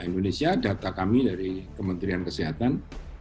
indonesia data kami dari kementerian kesehatan